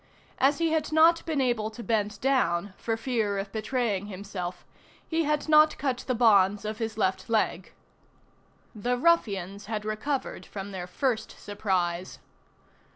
As he had not been able to bend down, for fear of betraying himself, he had not cut the bonds of his left leg. The ruffians had recovered from their first surprise.